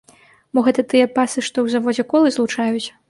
Мо гэта тыя пасы, што ў заводзе колы злучаюць?